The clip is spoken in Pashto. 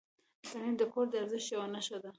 پنېر د کور د ارزښت یو نښه ده.